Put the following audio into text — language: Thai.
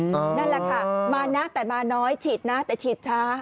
นั่นแหละค่ะมานะแต่มาน้อยฉีดนะแต่ฉีดช้า